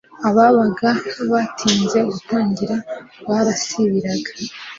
ababaga baratinze gutangira barasibiraga